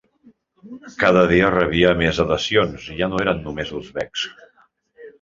Cada dia rebia més adhesions i ja no eren només uzbeks.